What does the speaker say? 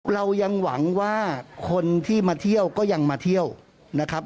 เรายังหวังว่าคนที่มาเที่ยวก็ยังมาเที่ยวนะครับ